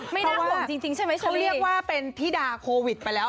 ไม่น่าห่วงจริงเฉลี่ยว่าเป็นที่ดาโควิดไปแล้ว